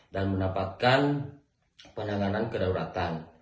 dan mendapatkan penanganan kedaulatan